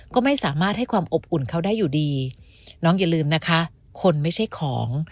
ก็ไม่สามารถให้ความอบอุ่นเขาได้อยู่ดีน้องอย่าลืมนะคะคนไม่ใช่ของ